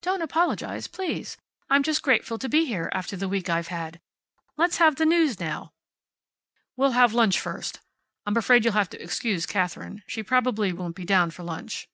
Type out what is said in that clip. "Don't apologize, please. I'm grateful just to be here, after the week I've had. Let's have the news now." "We'll have lunch first. I'm afraid you'll have to excuse Katherine. She probably won't be down for lunch."